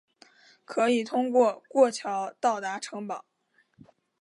可以通过过桥到达城堡。